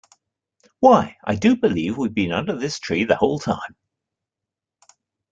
Why, I do believe we’ve been under this tree the whole time!